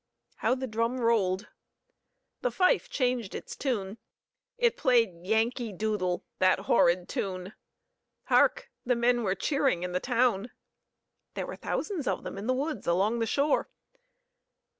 How the drum rolled! The fife changed its tune. It played "Yankee Doodle," that horrid tune! Hark! The men were cheering in the town! there were thousands of them in the woods along the shore!